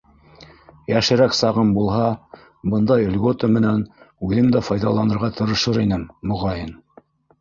Йәшерәк сағым булһа, бындай льгота менән үҙем дә файҙаланырға тырышыр инем, моғайын.